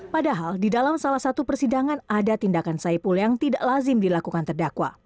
padahal di dalam salah satu persidangan ada tindakan saipul yang tidak lazim dilakukan terdakwa